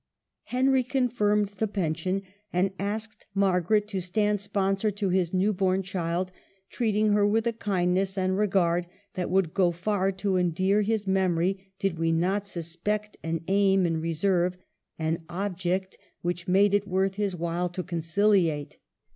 Henry confirmed the pension, and asked Margaret to stand sponsor to his nev^ born child, treating her with a kindness and regard that would go far to endear his memory did we not suspect an aim in reserve, an object which THE END. 301 made it worth his while to concihate.